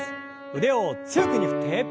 腕を強く上に振って。